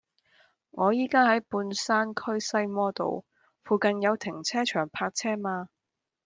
我依家喺半山區西摩道，附近有停車場泊車嗎